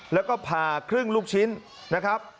แล้วก็ผ่าครึ่งลูกชิ้นนะครับ